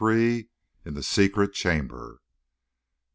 IN THE SECRET CHAMBER.